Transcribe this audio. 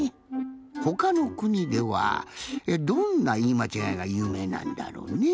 ほかのくにではどんないいまちがいがゆうめいなんだろうねぇ？